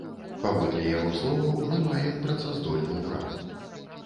Паводле яго словаў, мы маем працаздольны ўрад.